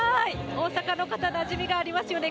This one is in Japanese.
大阪の方、なじみがありますよね。